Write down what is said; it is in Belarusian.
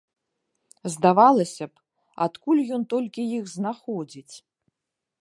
Здавалася б, адкуль ён толькі іх знаходзіць?